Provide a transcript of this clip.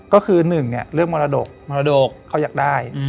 ก็คือหนึ่งเรื่องมรดกเขาอยากได้